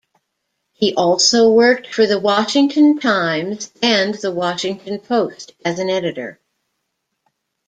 He also worked for "The Washington Times" and "The Washington Post" as an editor.